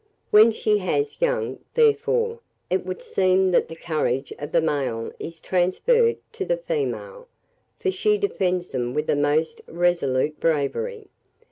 When she has young, therefore, it would seem that the courage of the male is transferred to the female, for she defends them with the most resolute bravery.